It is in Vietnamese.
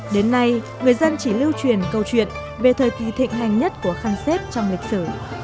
đến nay người dân chỉ lưu truyền câu chuyện về thời kỳ thịnh hành nhất của khăn xếp trong lịch sử